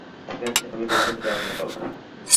ঠিক আছে আমি ওর কাছে যাব বাবা।